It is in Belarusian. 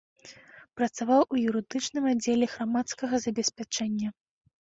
Працаваў у юрыдычным аддзеле грамадскага забеспячэння.